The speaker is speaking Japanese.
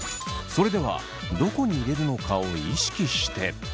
それではどこに入れるのかを意識して。